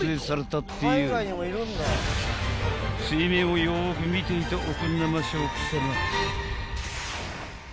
［水面をよく見ていておくんなまし奥さま］